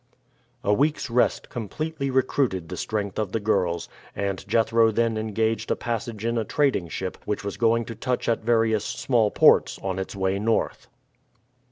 A week's rest completely recruited the strength of the girls, and Jethro then engaged a passage in a trading ship which was going to touch at various small ports on its way north.